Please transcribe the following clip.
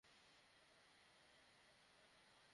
এবং আমি নিশ্চিত যে, বোন তোমাদের দুজনের যত্ন নেবে।